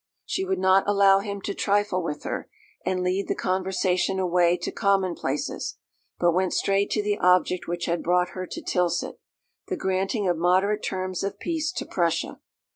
She would not allow him to trifle with her, and lead the conversation away to commonplaces, but went straight to the object which had brought her to Tilsit, the granting of moderate terms of peace to Prussia.